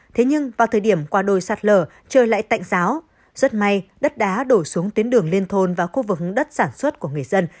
thế nhưng vào thời điểm quả đồi sạt lở trời lại tạnh giáo rất may đất đá đổ xuống tuyến đường liên thôn và khu vực đất sản xuất của người dân